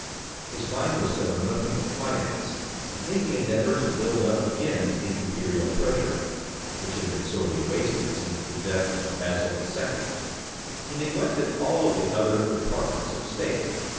His mind was set on nothing but finance, and in the endeavour to build up again the imperial treasure, which had been sorely wasted since the death of Basil II., he neglected all the other departments of state.